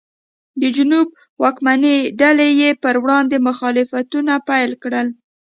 د جنوب واکمنې ډلې یې پر وړاندې مخالفتونه پیل کړل.